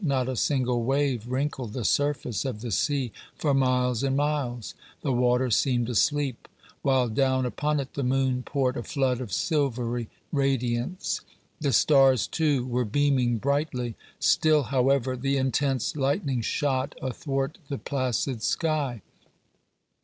Not a single wave wrinkled the surface of the sea for miles and miles; the water seemed asleep, while down upon it the moon poured a flood of silvery radiance. The stars, too, were beaming brightly. Still, however, the intense lightning shot athwart the placid sky.